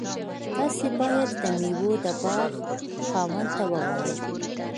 تاسي باید د میوو د باغ خاوند ته ووایئ.